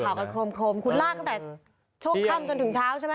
กันโครมคุณลากตั้งแต่ช่วงค่ำจนถึงเช้าใช่ไหม